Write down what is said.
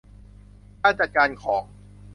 การจัดการของ